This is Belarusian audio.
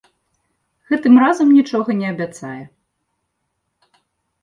Гэтым разам нічога не абяцае.